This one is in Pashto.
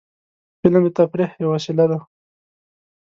فلم د تفریح یوه وسیله ده